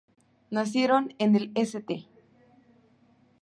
Nacieron en el St.